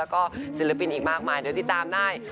แล้วก็ศิลปินอีกมากมายเดี๋ยวติดตามได้